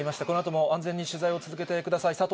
このあとも安全に取材を続けてください。